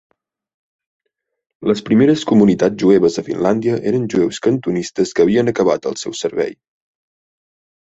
Les primeres comunitats jueves a Finlàndia eren jueus cantonistes que havien acabat el seu servei.